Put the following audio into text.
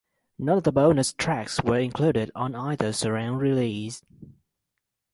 None of the bonus tracks were included on either surround release.